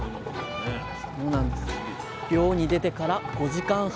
漁に出てから５時間半。